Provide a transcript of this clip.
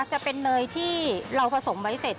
จะเป็นเนยที่เราผสมไว้เสร็จ